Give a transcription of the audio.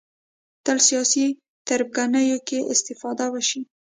تل سیاسي تربګنیو کې استفاده وشي